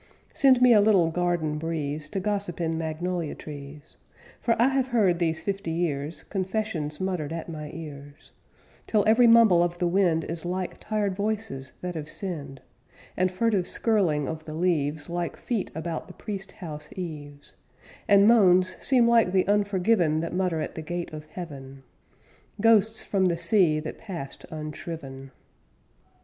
Send me a little garden breeze To gossip in magnolia trees; For I have heard, these fifty years, Confessions muttered at my ears, Till every mumble of the wind Is like tired voices that have sinned, And furtive skirling of the leaves Like feet about the priest house eaves, And moans seem like the unforgiven That mutter at the gate of heaven, Ghosts from the sea that passed unshriven.